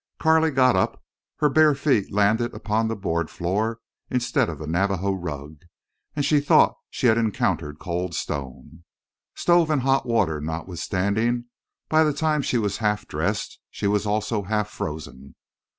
Carley got up. Her bare feet landed upon the board floor instead of the Navajo rug, and she thought she had encountered cold stone. Stove and hot water notwithstanding, by the time she was half dressed she was also half frozen.